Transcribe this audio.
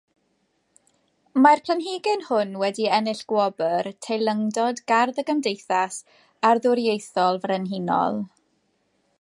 Mae'r planhigyn hwn wedi ennill Gwobr Teilyngdod Gardd y Gymdeithas Arddwriaethol Frenhinol.